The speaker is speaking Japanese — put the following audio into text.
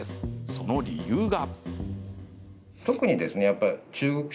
その理由が。